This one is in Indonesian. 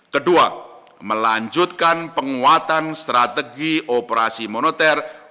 kedua melanjutkan penguatan strategi operasi moneter